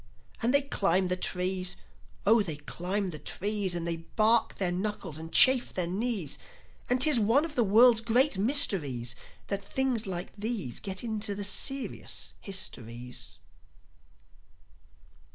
And they climb the trees. Oh, they climb the trees! And they bark their knuckles, and chafe their knees; And 'tis one of the world's great mysteries That things like these Get into the serious histories.